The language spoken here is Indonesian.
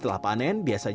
kebun bunga krisan